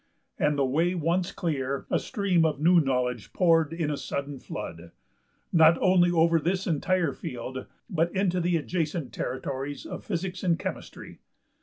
And the way once clear, a stream of new knowledge poured in a sudden flood, not only over this entire field but into the adjacent territories of physics and chemistry.